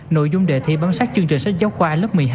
nội dung đề thi bám sát chương trình sách giáo khoa lớp một mươi hai